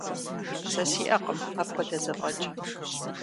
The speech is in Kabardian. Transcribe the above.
Сэ сиӀэкъым апхуэдэ зэфӀэкӀ.